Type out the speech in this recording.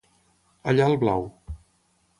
Allà al blau.